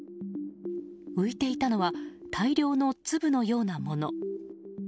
浮いていたのは大量の粒のようなもの。